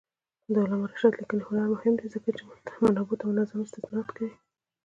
د علامه رشاد لیکنی هنر مهم دی ځکه چې منابعو ته منظم استناد کوي.